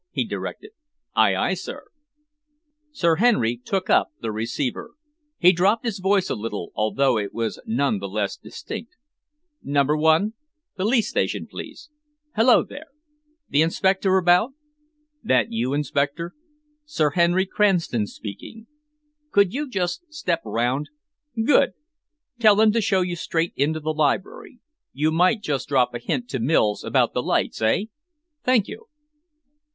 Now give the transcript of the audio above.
he directed. "Aye, aye, sir!" Sir Henry took up the receiver. He dropped his voice a little, although it was none the less distinct. "Number one police station, please. Hullo there! The inspector about? That you, Inspector? Sir Henry Cranston speaking. Could you just step round? Good! Tell them to show you straight into the library. You might just drop a hint to Mills about the lights, eh? Thank you."